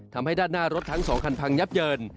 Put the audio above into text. ทำให้ด้านหน้ารถทั้ง๒คันพังยับเยิน